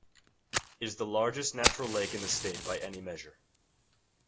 It is the largest natural lake in the state by any measure.